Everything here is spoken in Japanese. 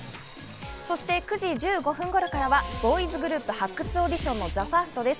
そして９時１５分頃からはボーイズグループ発掘オーディションのＴＨＥＦＩＲＳＴです。